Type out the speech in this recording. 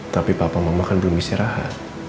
tapi papa mau makan belum bisa raha